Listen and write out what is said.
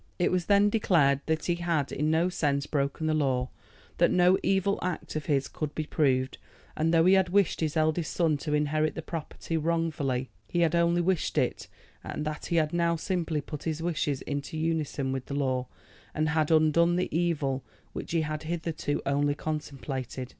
It was then declared that he had in no sense broken the law, that no evil act of his could be proved, that though he had wished his eldest son to inherit the property wrongfully, he had only wished it; and that he had now simply put his wishes into unison with the law, and had undone the evil which he had hitherto only contemplated.